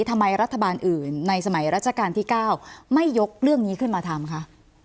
ทำไมรัฐบาลอื่นในสมัยรัชกาลที่๙ไม่ยกเรื่องนี้ขึ้นมาทำคะ